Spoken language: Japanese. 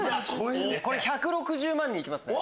これ１６０万人行きますね。